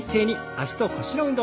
脚と腰の運動。